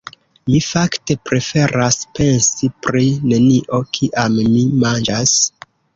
Mi fakte preferas pensi pri nenio, kiam mi manĝas.